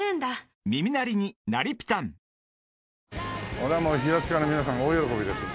これはもう平塚の皆さん大喜びですよ。